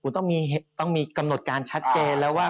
ต้องมีกำหนดการชัดเจนแล้วว่า